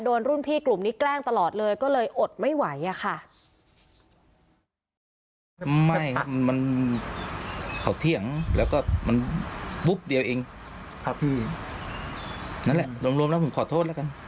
โดนรุ่นพี่กลุ่มนี้แกล้งตลอดเลยก็เลยอดไม่ไหวอะค่ะ